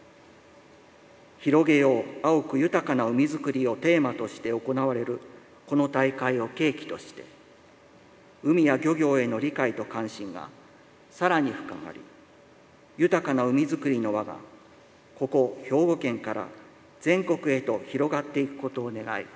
「広げよう碧く豊かな海づくり」をテーマとして行われるこの大会を契機として海や漁業への理解と関心が更に深まり豊かな海づくりの輪がここ、兵庫県から全国へと広がっていくことを願い